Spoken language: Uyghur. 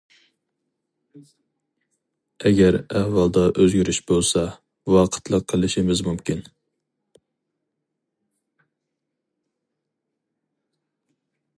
ئەگەر ئەھۋالدا ئۆزگىرىش بولسا ۋاقىتلىق قىلىشىمىز مۇمكىن.